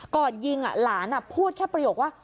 ก่อนยิงหลานพูดแค่ประโยคว่า